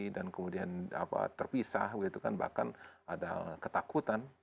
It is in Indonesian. dan kemudian apa terpisah begitu kan bahkan ada ketakutan